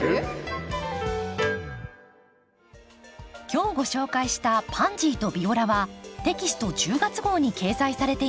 今日ご紹介した「パンジーとビオラ」はテキスト１０月号に掲載されています。